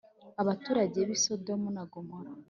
abaturage bi Sodomu na Gomora